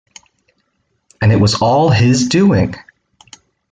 And it was all his doing!